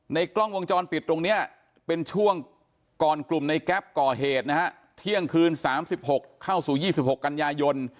กล้องวงจรปิดตรงนี้เป็นช่วงก่อนกลุ่มในแก๊ปก่อเหตุนะฮะเที่ยงคืน๓๖เข้าสู่๒๖กันยายน